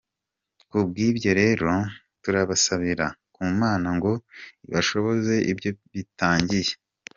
Ku bw’ibyo rero, tubasabira ku Mana ngo ibashoboze ibyo bitangiye.